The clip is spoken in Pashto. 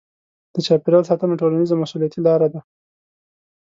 د چاپیریال ساتنه ټولنیزه مسوولیتي لاره ده.